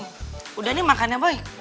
ya udah nih makan ya boy